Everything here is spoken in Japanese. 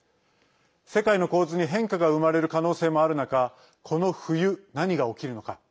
世界の構図に変化が生まれる可能性もある中この冬、何が起きるのか。